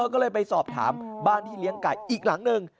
ก็เลยไปสอบถามบ้านที่เลี้ยงไก่อีกหลังหนึ่ง